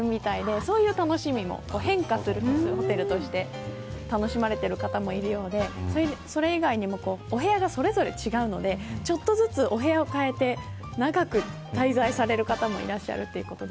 そういう楽しみも変化するホテルとして楽しまれている方もいるようでそれ以外にもお部屋ごとに絵が違うのでちょっとずつ、お部屋を変えて長く滞在される方もいらっしゃるということです。